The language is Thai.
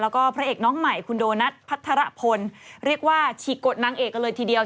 แล้วก็พระเอกน้องใหม่คุณโดนัทพัทรพลเรียกว่าฉีกกดนางเอกกันเลยทีเดียว